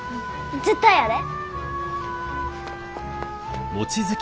絶対やで。